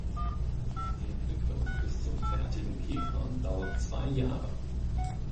Die Entwicklung bis zum fertigen Käfer dauert zwei Jahre.